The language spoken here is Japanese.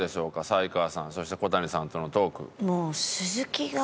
才川さんそして小谷さんとのトーク。